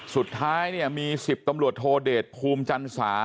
สุดท้ายเนี่ยมี๑๐ตำรวจโทเดชภูมิจันสา